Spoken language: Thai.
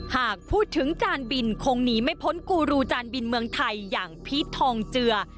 หากพูดถึงจานบินคงหนีไม่พ้นกูรูจานบินเมืองไทยอย่างพีชทองเจือ